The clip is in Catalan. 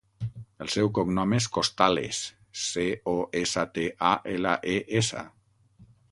El seu cognom és Costales: ce, o, essa, te, a, ela, e, essa.